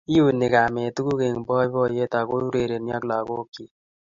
iuni kamet tuguk eng' boiboiet aku urereni ak lagok chich